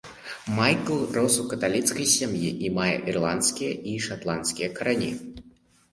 Майкл рос у каталіцкай сям'і, і мае ірландскія і шатландскія карані.